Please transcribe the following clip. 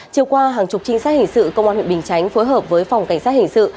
chiều qua hàng chục trinh sát hình sự công an huyện bình chánh phối hợp với phòng cảnh sát hình sự